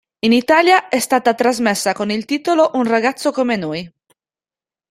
In Italia è stata trasmessa con il titolo "Un ragazzo come noi".